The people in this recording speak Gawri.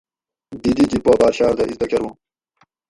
دی دی جِب پا باۤر شاردہ اِزدہ کۤرواں